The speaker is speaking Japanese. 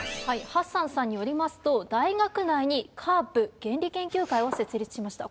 ハッサンさんによりますと、大学内にＣＡＲＰ・原理研究会を設立しました。